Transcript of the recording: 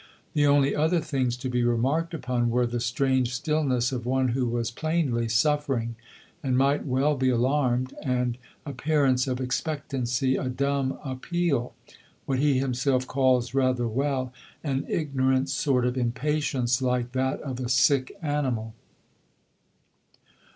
The only other things to be remarked upon were the strange stillness of one who was plainly suffering, and might well be alarmed, and appearance of expectancy, a dumb appeal; what he himself calls rather well "an ignorant sort of impatience, like that of a sick animal."